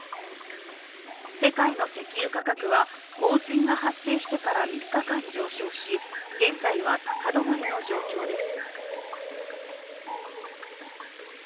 世界の石油価格は、洪水が発生してから３日間上昇し現在は高止まりの状況です。